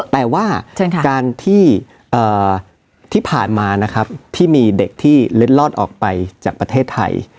แต่ว่าการที่ผ่านมานะครับที่มีเด็กที่เล็ดลอดออกไปจากประเทศไทย